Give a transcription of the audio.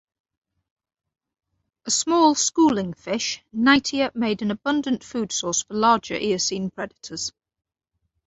A small schooling fish, "Knightia" made an abundant food source for larger Eocene predators.